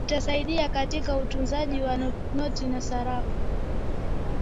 itasaidia katika utunzaji wa noti na sarafu